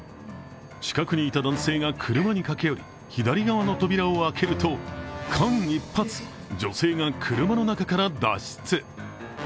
近くにいた男性が車に駆け寄り左側の扉を開けると、間一髪、女性が車の中から脱出。